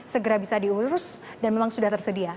segera bisa diurus dan memang sudah tersedia